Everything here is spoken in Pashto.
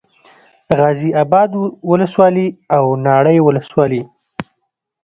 غازي اباد ولسوالي او ناړۍ ولسوالي